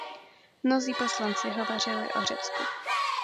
Mnozí poslanci hovořili o Řecku.